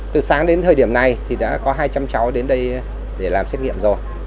từ sáng đến thời điểm này thì đã có hai trăm linh cháu đến đây để làm xét nghiệm rồi